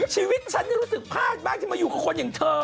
ชีวิตฉันนี่รู้สึกพลาดบ้างที่มาอยู่กับคนอย่างเธอ